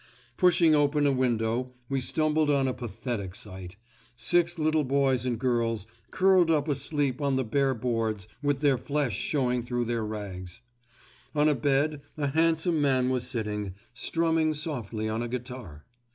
Pushing open a window we stumbled on a pathetic sight—six little boys and girls curled up asleep on the bare boards with their flesh showing through their rags. On a bed a handsome man was sitting, strumming softly on a guitar.